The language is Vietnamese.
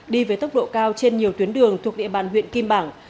đi với tốc độ cao trên nhiều tuyến đường thuộc địa bàn huyện kim bảng